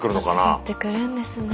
集まってくるんですね